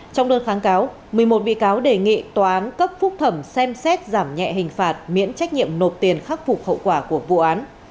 trong đơn kháng cáo một mươi một bị cáo đề nghị tòa án cấp phúc thẩm xem xét giảm nhẹ hình phạt miễn trách nhiệm nộp tiền khắc phục hậu quả của vụ án